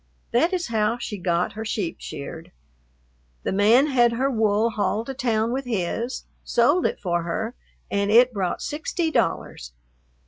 That is how she got her sheep sheared. The man had her wool hauled to town with his, sold it for her, and it brought sixty dollars.